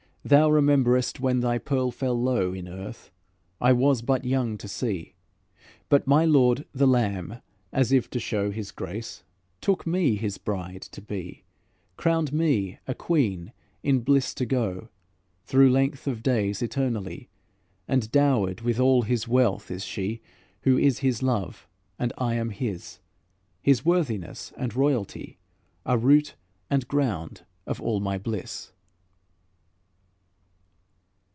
Thou rememberest when thy pearl fell low In earth, I was but young to see; But my Lord the Lamb, as if to show His grace, took me His bride to be, Crowned me a queen in bliss to go Through length of days eternally; And dowered with all His wealth is she Who is His love, and I am His; His worthiness and royalty Are root and ground of all my bliss."